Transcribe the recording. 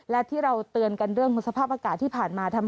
และที่เราเตือนกันเรื่องของสภาพอากาศที่ผ่านมา